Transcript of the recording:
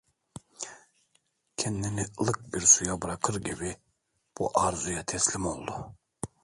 Kendini ılık bir suya bırakır gibi bu arzuya teslim oldu.